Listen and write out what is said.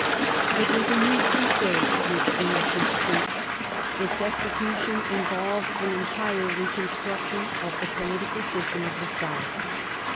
It was a new Crusade which Innocent preached. Its execution involved an entire reconstruction of the political system of the south.